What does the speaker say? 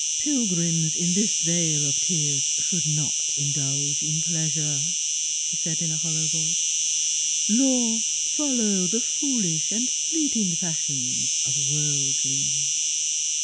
*' Pilgrims in this vale of tears should not indulge in pleasure," she said in a hol low voice, " nor follow the foolish and fleet ing fashions of worldlings."